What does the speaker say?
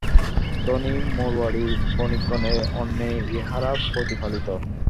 ধনী মারোয়াড়ী বণিকগণের অন্নেই ইঁহারা প্রতিপালিত।